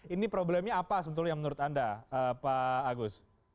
ini problemnya apa sebetulnya menurut anda pak agus